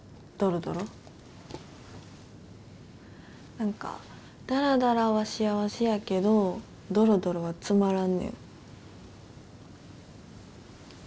何かダラダラは幸せやけどドロドロはつまらんねん。